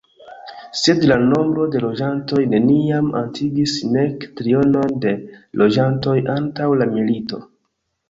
Sed la nombro de loĝantoj neniam atingis nek trionon de loĝantoj antaŭ la milito.